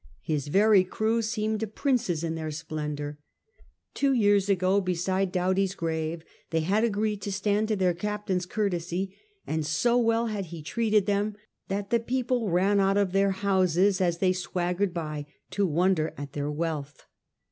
His very crew seemed princes in their splendour. Two years ago, beside Doughty's grave, they had agreed to stand to their Captain's courtesy, and so well had he treated them that the people ran out of their houses as they swaggered by, to wonder at their wealth.